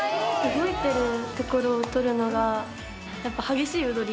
動いてるところを撮るのがやっぱ激しい踊り？